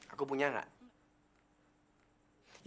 aku punya gak